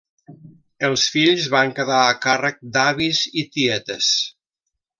Els fills van quedar a càrrec d'avis i tietes.